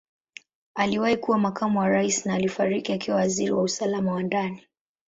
Aliwahi kuwa Makamu wa Rais na alifariki akiwa Waziri wa Usalama wa Ndani.